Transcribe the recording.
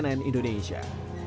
tim liputan cnn indonesia